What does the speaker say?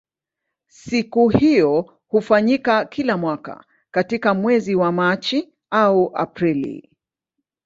Siku hiyo hufanyika kila mwaka katika mwezi wa Machi au Aprili.